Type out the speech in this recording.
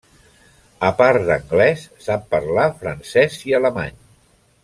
A part d'anglès sap parlar francès i alemany.